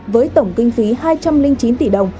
với tổng kinh phí hai trăm linh chín tỷ đồng